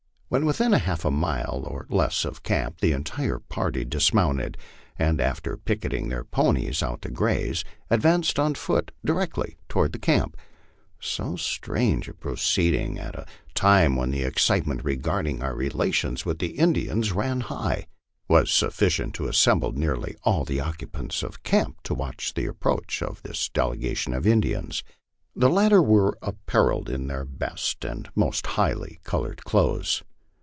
When within half a mile or less of camp the entire party dismounted, and after picketing their ponies out to graze, ad vanced on foot directly toward camp. So strange a proceeding, and at a time when the excitement regarding our relations with the Indians ran high, was sufficient to assemble nearly all the occupants of camp to watch the approach of this delegation of Indians. The latter were apparelled in their best and most highly colored clothes.